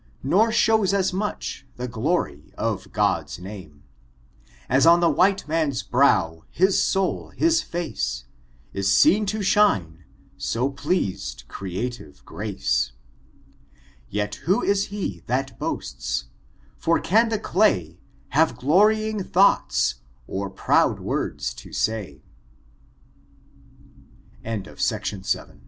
Nor shows at much the glory of God name. As on the white man's brow, his tfoaV, hii fao^ Is seen to shine HW pleased creative gnt^^ Yet who is he that boasts, for can the clay Have glorying thonghts or proud words to say T I I 174 OBIOXN, CHAB